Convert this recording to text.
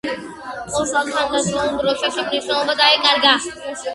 პორტს თანადროულ დროში მნიშვნელობა დაეკარგა.